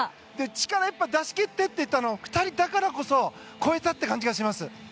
力を出し切ってって言ったのは、２人だからこそ超えたという感じがします。